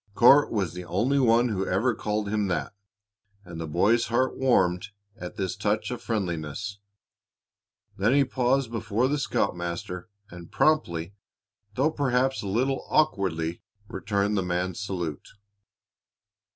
Court was the only one who ever called him that, and the boy's heart warmed at this touch of friendliness. Then he paused before the scoutmaster and promptly, though perhaps a little awkwardly, returned the man's salute.